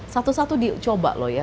satu satu dicoba loh ya